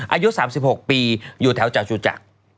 อายุ๓๖ปีอยู่แถวจากจูจักร